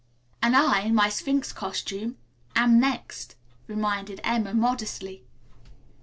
"And I, in my Sphinx costume, am next," reminded Emma modestly.